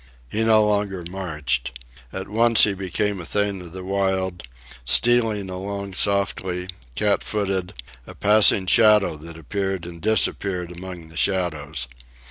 He no longer marched. At once he became a thing of the wild, stealing along softly, cat footed, a passing shadow that appeared and disappeared among the shadows.